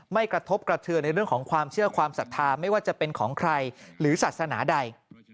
กระทบกระเทือนในเรื่องของความเชื่อความศรัทธาไม่ว่าจะเป็นของใครหรือศาสนาใด